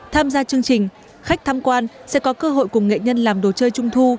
tham gia chương trình khách tham quan sẽ có cơ hội cùng nghệ nhân làm đồ chơi trung thu